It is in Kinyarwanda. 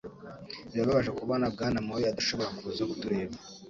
Birababaje kubona Bwana Mori adashobora kuza kutureba.